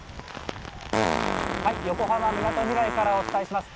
横浜みなとみらいからお伝えします。